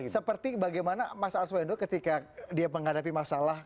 seperti bagaimana mas arswendo ketika dia menghadapi masalah